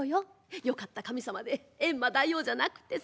よかった神様でエンマ大王じゃなくってさ。